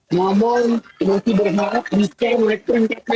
namun saya berharap di tahun depan juga